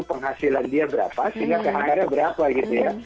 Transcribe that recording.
penghasilan dia berapa sehingga kehamirnya berapa gitu ya